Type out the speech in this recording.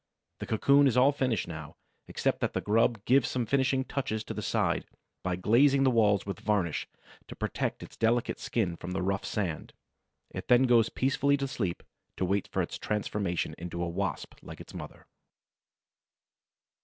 The cocoon is all finished now, except that the grub gives some finishing touches to the inside by glazing the walls with varnish to protect its delicate skin from the rough sand. It then goes peacefully to sleep, to wait for its transformation into a Wasp like its mother.